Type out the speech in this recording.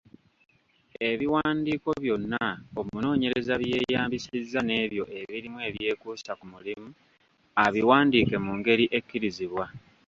Ebiwandiiko byonna omunoonyereza bye yeeyambisizza n’ebyo ebirimu ebyekuusa ku mulimu, abiwandiike mu ngeri ekkirizibwa.